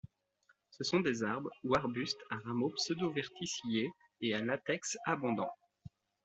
Ce sont des arbres ou arbustes à rameaux pseudo-verticillés et à latex abondant.